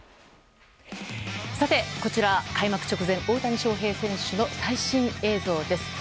こちら、開幕直前大谷翔平選手の最新映像です。